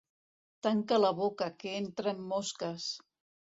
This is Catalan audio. Tanca la boca, que entren mosques!